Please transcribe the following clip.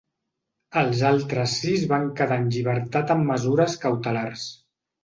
Els altres sis van quedar en llibertat amb mesures cautelars.